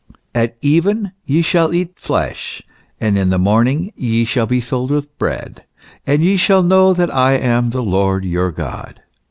" At even ye shall eat flesh, and in the morning ye shall be filled with bread ; and ye shall know that I am the Lord your God."